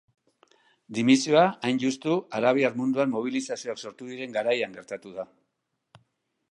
Dimisioa, hain justu, arabiar munduan mobilizazioak sortu diren garaian gertatu da.